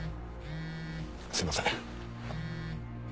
すいません。